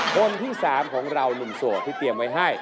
คนที่๓ของเราหนุ่มโสดที่เตรียมไว้ให้